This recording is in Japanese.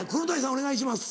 お願いします。